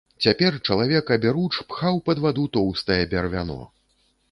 Цяпер чалавек аберуч пхаў пад ваду тоўстае бервяно.